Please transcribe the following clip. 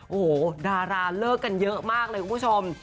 โอ้โหดาราเลิกกันเยอะมากเลยคุณผู้ชม